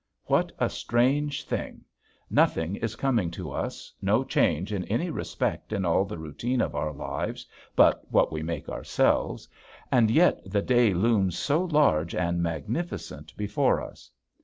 What a strange thing! Nothing is coming to us, no change in any respect in the routine of our lives but what we make ourselves, and yet the day looms so large and magnificent before us!